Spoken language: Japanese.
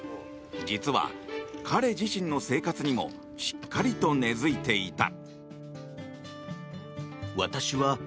実は、彼自身の生活にもしっかりと根付いていた。